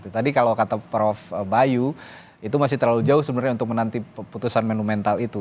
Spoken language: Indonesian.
tadi kalau kata prof bayu itu masih terlalu jauh sebenarnya untuk menanti putusan manumental itu